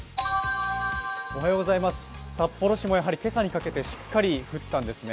札幌市もやはり今朝にかけてしっかりと降ったんですね。